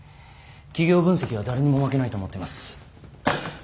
企業分析は誰にも負けないと思っています。